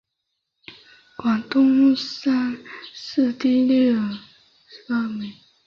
广东乡试第六十二名。